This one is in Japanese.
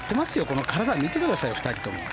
この体を見てください、２人共。